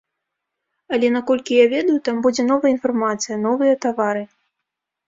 Але наколькі я ведаю, там будзе новая інфармацыя, новыя твары.